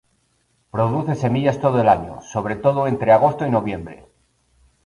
Produce semillas todo el año, sobre todo entre agosto y noviembre.